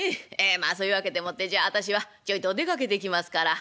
ええまあそういう訳でもって私は私はちょいと出かけてきますから」。